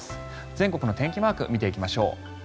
全国の天気マークを見ていきましょう。